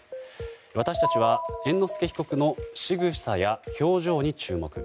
私たちは、猿之助被告のしぐさや表情に注目。